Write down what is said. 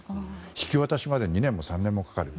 引き渡しまで２年も３年もかかる。